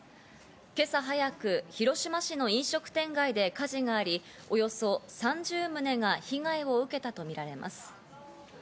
今朝早く、広島市の飲食店街で火事があり、およそ３０棟が被害を受けたとみられます。